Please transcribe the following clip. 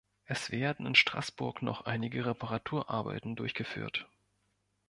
Es werden in Straßburg noch einige Reparaturarbeiten durchgeführt.